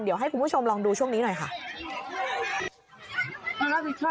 เดี๋ยวให้คุณผู้ชมลองดูช่วงนี้หน่อยค่ะ